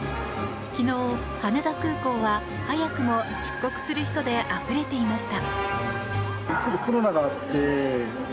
昨日、羽田空港は早くも出国する人であふれていました。